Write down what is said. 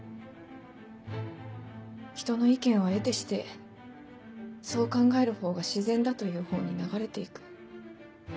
人の意見は得てしてそう考える方が自然だという方に流れていく。